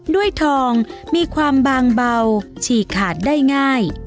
ด้วยทองมีความบางเบาฉีกขาดได้ง่าย